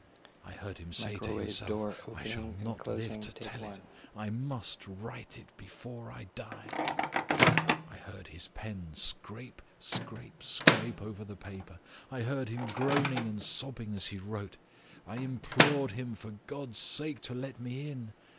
I heard him say to himself: I shall not live to tell it: I must write it before I die. I heard his pen scrape, scrape, scrape over the paper; I heard him groaning and sobbing as he wrote; I implored him for God's sake to let me in.